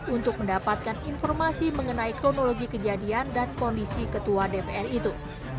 untuk mendapatkan informasi mengenai kronologi kejadian dan kondisi ketua dpr itu